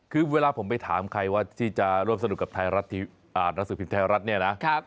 คือเวลาผมไปถามใครว่าที่จะร่วมสนุกกับหนังสือพิมพ์ไทยรัฐเนี่ยนะ